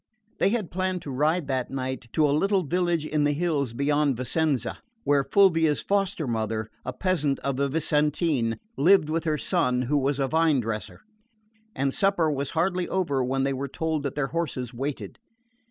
They had planned to ride that night to a little village in the hills beyond Vicenza, where Fulvia's foster mother, a peasant of the Vicentine, lived with her son, who was a vine dresser; and supper was hardly over when they were told that their horses waited.